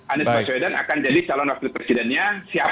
anies baswedan akan jadi calon wakil presidennya siapa